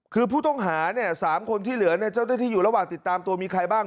คือผู้ต้องหา๓คนที่เหลือที่อยู่ระหว่างติดตามตัวมีใครบ้าง